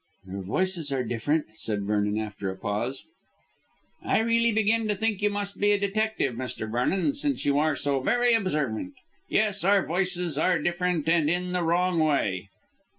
"Your voices are different," said Vernon after a pause. "I really begin to think you must be a detective, Mr. Vernon, since you are so very observant. Yes, our voices are different and in the wrong way."